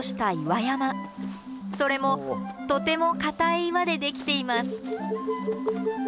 それもとても硬い岩でできています。